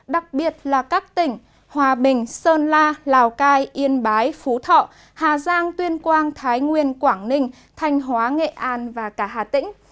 đặc biệt là các tỉnh hòa bình sơn la lào cai yên bái phú thọ hà giang tuyên quang thái nguyên quảng ninh thanh hóa nghệ an và cả hà tĩnh